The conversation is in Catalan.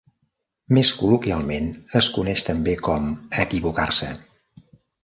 Més col·loquialment es coneix també com equivocar-se.